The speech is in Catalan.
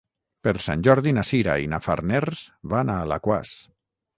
Per Sant Jordi na Sira i na Farners van a Alaquàs.